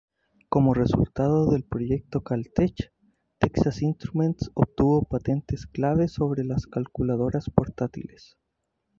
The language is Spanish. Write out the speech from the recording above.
Como resultado del proyecto "Cal-Tech" Texas Instruments obtuvo patentes clave sobre las calculadoras portátiles.